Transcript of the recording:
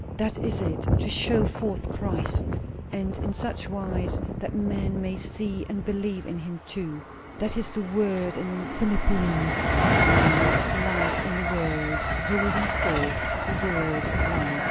That is it; to show forth Christ, and in such wise that men may see and believe in him too. That is the word in Philippians 'shining as lights in the world, holding forth the word of life.'